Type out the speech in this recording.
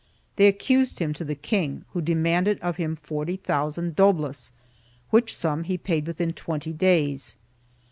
They accused him to the king, who demanded of him forty thou sand doblas, which sum he paid within twenty days.